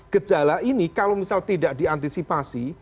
gejala ini kalau misal tidak diantisipasi